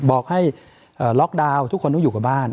บอกให้ล็อกดาวน์ทุกคนต้องอยู่กับบ้าน